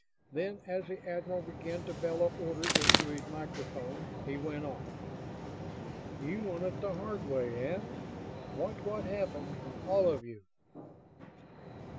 Then, as the admiral began to bellow orders into his microphone, he went on: "You want it the hard way, eh? Watch what happens, all of you!"